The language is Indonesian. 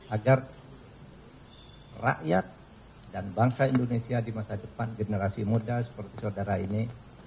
agar rakyat dan bangsa indonesia di masa depan generasi muda seperti saudara ini